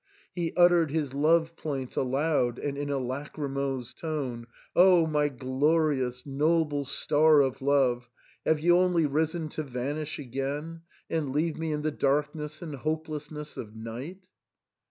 He uttered his love plaints aloud and in a lachrymose tone, " Oh ! my glorious, noble star of love, have you only risen to van ish again, and leave me in the darkness and hopeless ness of night